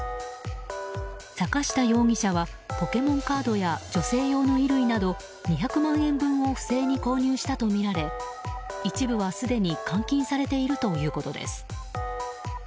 坂下容疑者はポケモンカードや女性用の衣類など２００万円分を不正に購入したとみられ一部はすでに換金されているということです。